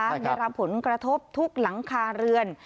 ได้รับผลกระทบทุกหลังคาเรือน